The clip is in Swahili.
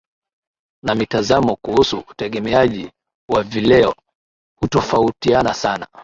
na mitazamo kuhusu utegemeaji kwa vileo hutofautiana sana